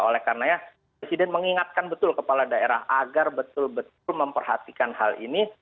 oleh karenanya presiden mengingatkan betul kepala daerah agar betul betul memperhatikan hal ini